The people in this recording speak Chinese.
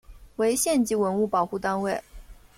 为县级文物保护单位。